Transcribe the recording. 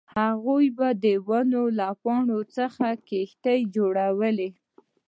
هغوی به د ونو له پاڼو څخه کښتۍ جوړولې